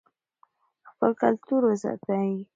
خپل کلتور وساتئ.